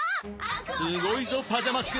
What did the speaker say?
すごいぞパジャマスク